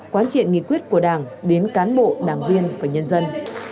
quán triệt nghị quyết của đảng đến cán bộ đảng viên và nhân dân